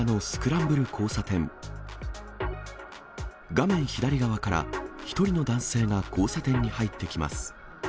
画面左側から、１人の男性が交差点に入ってきます。